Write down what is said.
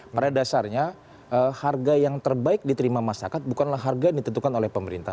pada dasarnya harga yang terbaik diterima masyarakat bukanlah harga yang ditentukan oleh pemerintah